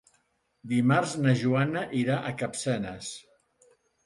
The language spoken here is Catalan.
Dimarts na Joana irà a Capçanes.